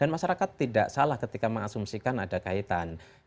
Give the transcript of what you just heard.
dan masyarakat tidak salah ketika mengasumsikan ada kaitannya